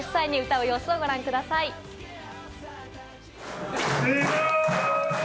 その実際の歌う様子をご覧ください。